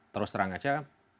terus terang saja